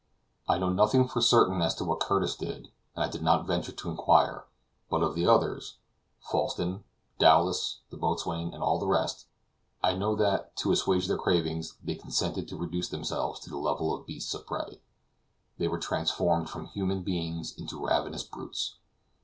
I know nothing for certain as to what Curtis did, and I did not venture to inquire; but of the others, Falsten, Dowlas, the boatswain, and all the rest, I know that, to assuage their cravings, they consented to reduce themselves to the level of beasts of prey; they were transformed from human beings into ravenous brutes.